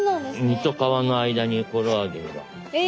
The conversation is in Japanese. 身と皮の間にコラーゲンが。え！